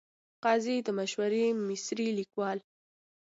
قاضي د مشهور مصري لیکوال .